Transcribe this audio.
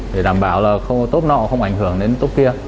để đảm bảo là tốp nọ không ảnh hưởng đến tốp kia